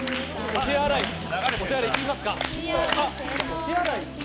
お手洗い行きますか？